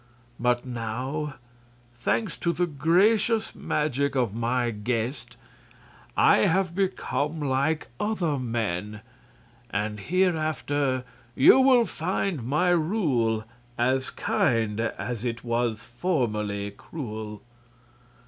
But now, thanks to the gracious magic of my guest, I have become like other men, and hereafter you will find my rule as kind as it was formerly cruel.